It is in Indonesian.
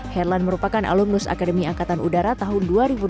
herlan merupakan alumnus akademi angkatan udara tahun dua ribu delapan belas